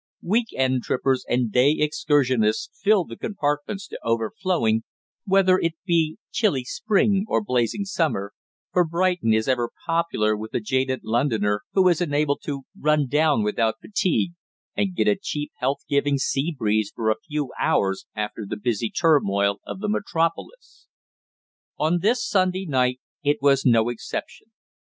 Week end trippers and day excursionists fill the compartments to overflowing, whether it be chilly spring or blazing summer, for Brighton is ever popular with the jaded Londoner who is enabled to "run down" without fatigue, and get a cheap health giving sea breeze for a few hours after the busy turmoil of the Metropolis. On this Sunday night it was no exception.